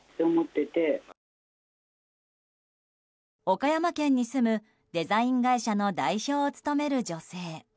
岡山県に住む、デザイン会社の代表を務める女性。